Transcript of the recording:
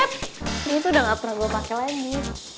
eh ini tuh udah gak pernah gue pake lagi